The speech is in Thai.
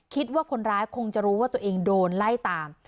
คิดว่าคนร้ายคงจะรู้ว่าตัวเองโดนไล่ตาม